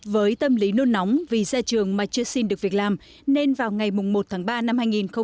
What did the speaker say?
với tâm lý nôn nóng vì ra trường mà chưa xin được việc làm nên vào ngày một tháng ba năm hai nghìn hai mươi